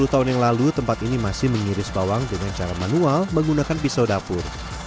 sepuluh tahun yang lalu tempat ini masih mengiris bawang dengan cara manual menggunakan pisau dapur